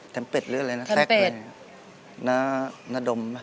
เท็มเป็ดหรืออะไรนะ